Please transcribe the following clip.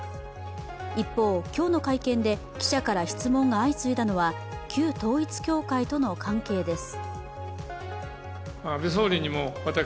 一方、今日の会見で、記者から質問が相次いだのは、旧統一教会との関係です。